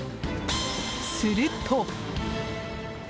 すると。